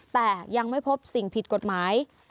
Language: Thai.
แต่ยังไม่พบสิ่งผิดกฎหมาย